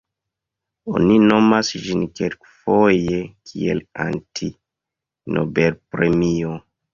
Oni nomas ĝin kelkfoje kiel "Anti-Nobelpremio".